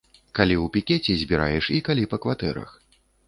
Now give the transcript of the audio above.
Калі ў пікеце збіраеш і калі па кватэрах.